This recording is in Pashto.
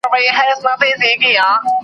ولس د پرمختګ هیله لري.